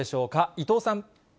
伊藤さん。